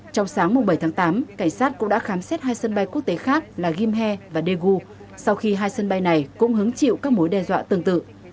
trong sáng bảy tháng tám cảnh sát cũng đã khám xét hai sân bay quốc tế khác là gimhae và daegu sau khi hai sân bay này cũng hứng chịu các mối đe dọa tương tự